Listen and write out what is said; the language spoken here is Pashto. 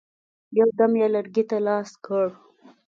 یو دم یې لرګي ته لاس کړ.